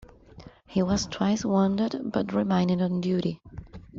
He was twice wounded but remained on duty.